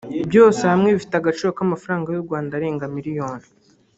byose hamwe bifite agaciro k’amafaranga y’u Rwanda arenga miliyoni